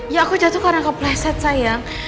ya aku jatuh karena kau pleset sayang